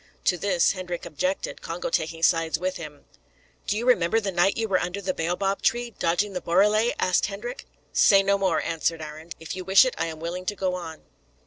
To this Hendrik objected, Congo taking sides with him. "Do you remember the night you were under the baobab tree, dodging the borele?" asked Hendrik. "Say no more," answered Arend. "If you wish it I am willing to go on."